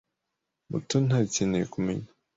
Mutoni ntagikeneye kumenya.